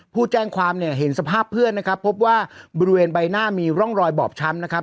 ผู้แจ้งความเนี่ยเห็นสภาพเพื่อนนะครับพบว่าบริเวณใบหน้ามีร่องรอยบอบช้ำนะครับ